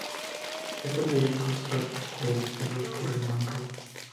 Ésta quedó inconclusa por el deceso de Monroe.